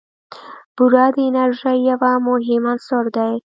بوره د انرژۍ یو مهم عنصر دی.